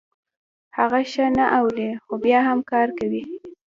هغه ښه نه اوري خو بيا هم کار کوي.